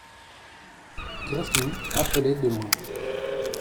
Gresloup appelait de loin.